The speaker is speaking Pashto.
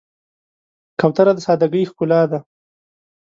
کوتره د سادګۍ ښکلا ده.